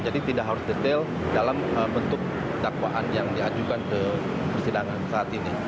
jadi tidak harus detail dalam bentuk dakwaan yang diajukan ke persidangan saat ini